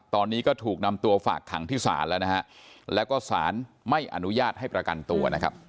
ตอนนี้ก็ถูกนำตัวฝากถังที่ศาลแล้วก็ศาลไม่อนุญาตให้ประกันตัว